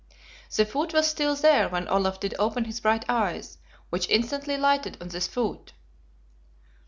The foot was still there when Olaf did open his bright eyes, which instantly lighted on this foot.